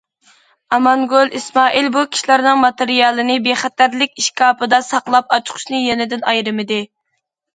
ئامانگۈل ئىسمائىل بۇ كىشىلەرنىڭ ماتېرىيالىنى بىخەتەرلىك ئىشكاپىدا ساقلاپ، ئاچقۇچىنى يېنىدىن ئايرىمىدى.